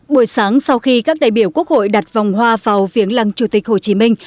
buổi sáng sau khi các đại biểu quốc hội đặt vòng hoa vào viếng lăng chủ tịch hồ chí minh